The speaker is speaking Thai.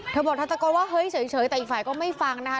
เธอบอกเธอตะโกนว่าเฮ้ยเฉยแต่อีกฝ่ายก็ไม่ฟังนะคะ